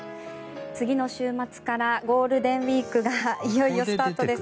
次の週末からゴールデンウィークがいよいよスタートです。